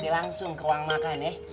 langsung ke ruang makan ya